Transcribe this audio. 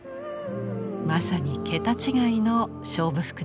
まさに桁違いの「勝負服」です！